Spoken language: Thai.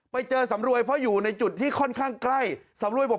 ไปเจอสำรวยเพราะอยู่ในจุดที่ค่อนข้างใกล้สำรวยบอก